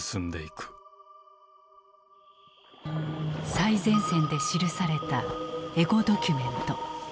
最前線で記されたエゴドキュメント。